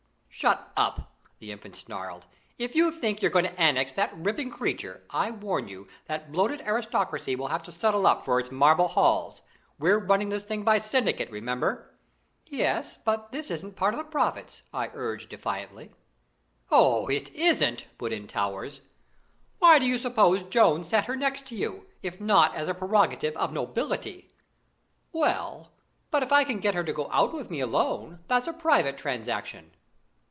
"Shut up!" the Infant snarled. "If you think you're going to annex that ripping creature, I warn you that bloated aristocracy will have to settle up for its marble halls. We're running this thing by syndicate, remember." "Yes, but this isn't part of the profits," I urged defiantly. "Oh, isn't it?" put in Towers. "Why do you suppose Jones sat her next to you, if not as a prerogative of nobility?" "Well, but if I can get her to go out with me alone, that's a private transaction."